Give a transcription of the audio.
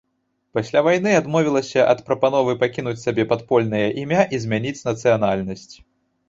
Пасля вайны адмовілася ад прапановы пакінуць сабе падпольнае імя і змяніць нацыянальнасць.